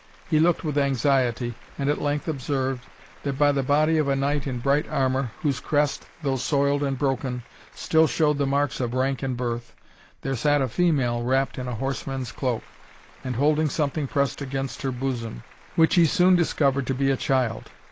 He looked with anxiety, and at length observed, that by the body of a knignt in bright armour, whose crest, though soiled and broken, still showed the marks of rank and birth, there sat a female wrapped in a horseman's cloak, and holding something pressed against her bosom, which he soon discovered to be a child.